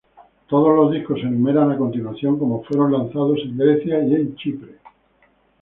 Todos los discos se enumeran a continuación como fueron lanzados en Grecia y Chipre.